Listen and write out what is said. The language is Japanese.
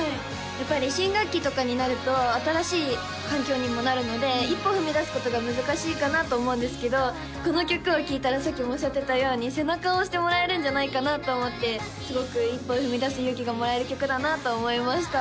やっぱり新学期とかになると新しい環境にもなるので一歩踏み出すことが難しいかなと思うんですけどこの曲を聞いたらさっきもおっしゃってたように背中を押してもらえるんじゃないかなと思ってすごく一歩踏み出す勇気がもらえる曲だなと思いました